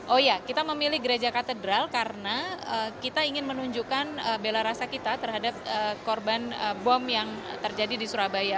oh iya kita memilih gereja katedral karena kita ingin menunjukkan bela rasa kita terhadap korban bom yang terjadi di surabaya